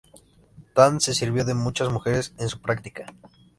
Tan se sirvió de muchas mujeres en su práctica.